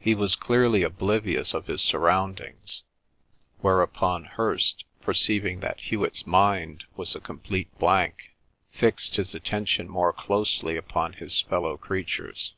He was clearly oblivious of his surroundings; whereupon Hirst, perceiving that Hewet's mind was a complete blank, fixed his attention more closely upon his fellow creatures.